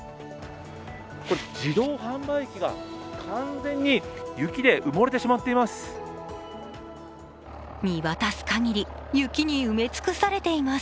自動販売機が完全に雪で埋もれてしまっています。